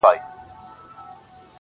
نه سل سرى اژدها په گېډه موړ سو-